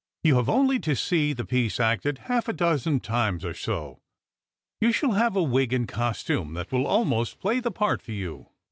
You have only to see the piece acted half a dozen times or so. You shall have a wig and costume that will almost play the part for you."